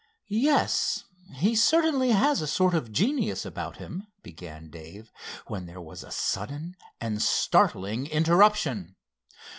"Yes, he certainly has a sort of genius about him," began Dave, when there was a sudden and startling interruption.